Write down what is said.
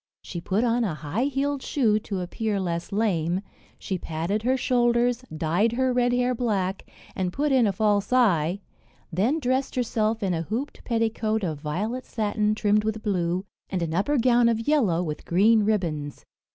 She put on a high heeled shoe to appear less lame, she padded her shoulders, dyed her red hair black, and put in a false eye; then dressed herself in a hooped petticoat of violet satin trimmed with blue, and an upper gown of yellow with green ribands.